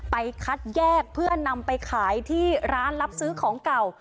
คัดแยกเพื่อนำไปขายที่ร้านรับซื้อของเก่า